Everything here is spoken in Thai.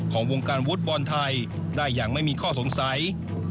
ของวงการฟุตบอลไทยได้อย่างไม่มีข้อสงสัย